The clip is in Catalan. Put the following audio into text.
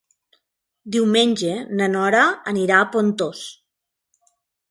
Diumenge na Nora anirà a Pontós.